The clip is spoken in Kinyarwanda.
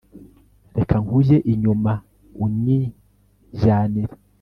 reka nkujye inyuma unyijyanire